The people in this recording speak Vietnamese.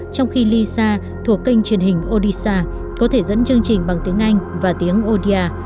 trong khi lisa thuộc kênh truyền hình odisha có thể dẫn chương trình bằng tiếng anh và tiếng odia